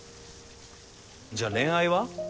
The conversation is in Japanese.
じゃあ恋愛は？